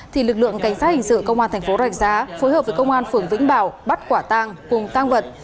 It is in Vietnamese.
thì lực lượng cảnh sát hình sự công an tp rạch giá phối hợp với công an phường vĩnh bảo bắt quả tàng cùng tăng vật